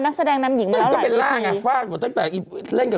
แล้วมีอะไรอีกอ่ะ